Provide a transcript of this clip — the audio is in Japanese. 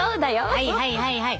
はいはいはいはい。